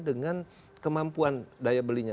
dengan kemampuan daya belinya